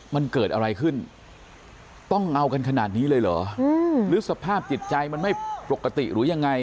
มันเกิดอะไรขึ้นต้องเอากันขนาดนี้เลยเหรอหรือสภาพจิตใจมันไม่ปกติหรือยังไง